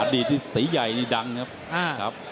ดีตที่สีใหญ่นี่ดังครับ